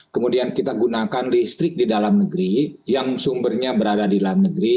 kemudian kita gunakan listrik di dalam negeri yang sumbernya berada di dalam negeri